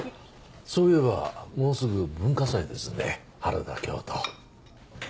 そういえばもうすぐ文化祭ですね原田教頭。